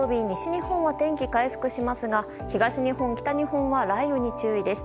日本は、天気回復しますが東日本、北日本は雷雨に注意です。